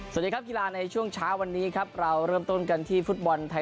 สวัสดีครับกีฬาในช่วงเช้าวันนี้ครับเราเริ่มต้นกันที่ฟุตบอลไทย